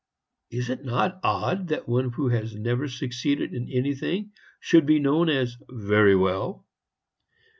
Is it not odd that one who has never succeeded in anything should be known as 'Very well'?